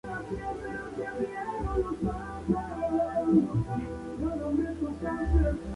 Sus temas han formado parte de la promoción de varias películas.